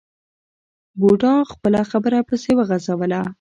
بوډا خپله خبره پسې وغځوله.